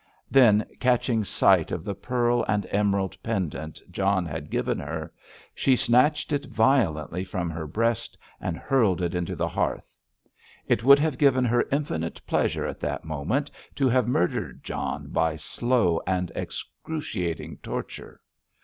Then, catching sight of the pearl and emerald pendant John had given her, she snatched it violently from her breast and hurled it into the hearth. It would have given her infinite pleasure at that moment to have murdered John by slow and excruciating torture.